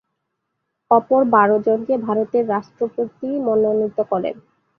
অপর বারো জনকে ভারতের রাষ্ট্রপতি মনোনীত করেন।